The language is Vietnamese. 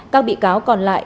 các bị cáo còn lại